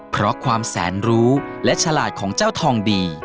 เพราะความแสนรู้และฉลาดของเจ้าทองดี